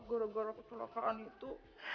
gara gara kesalahan itu